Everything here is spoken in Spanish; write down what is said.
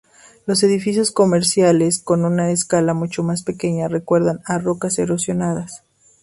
Los edificios comerciales, con una escala mucho más pequeña recuerdan a rocas erosionadas.